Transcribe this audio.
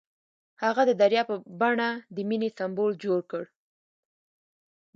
هغه د دریا په بڼه د مینې سمبول جوړ کړ.